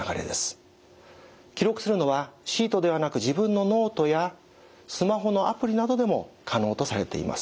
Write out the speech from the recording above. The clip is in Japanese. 記録するのはシートではなく自分のノートやスマホのアプリなどでも可能とされています。